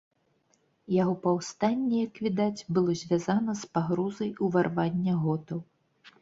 Яго паўстанне, як відаць, было звязана з пагрозай уварвання готаў.